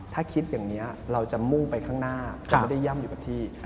ถ้าคิดอย่างนี้เราจะมุ่งไปข้างหน้าจะไม่ได้ย่ำอยู่กับที่